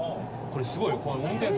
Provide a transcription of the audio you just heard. これすごいよ。